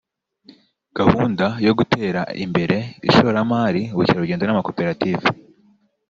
gahunda yo gutera imbere ishoramari ubukerarugendo n’amakoperative